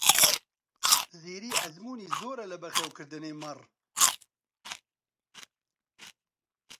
زیری ئەزموونی زۆرە لە بەخێوکردنی مەڕ.